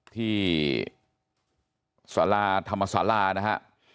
ที่ศาลาธรรมศาลานะครับ